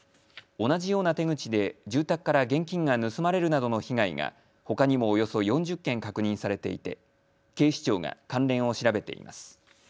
同じような手口で住宅から現金が盗まれるなどの被害がほかにもおよそ４０件確認されていて警視庁が関連を調べています。